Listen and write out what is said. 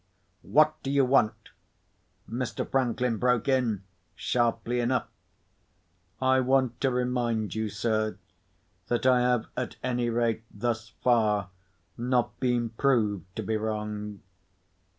"What do you want?" Mr. Franklin broke in, sharply enough. "I want to remind you, sir, that I have at any rate, thus far, not been proved to be wrong.